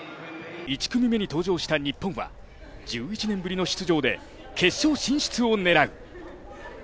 １組目に登場した日本は１１年ぶりの出場で決勝進出を狙う。